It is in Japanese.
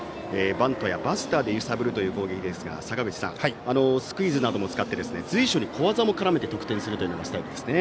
バントやバスターで揺さぶるという攻撃ですが坂口さん、スクイズなどを使って随所に小技を絡めて得点するというようなスタイルですね。